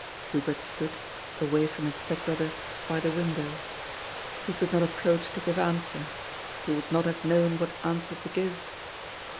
Hubert stood — away from his step brother — by the win dow. He could not approach to give answer. He would not have known what answer to give.